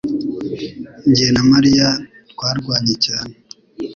Jye na mariya twarwanye cyane